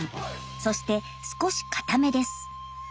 そして少しかためです。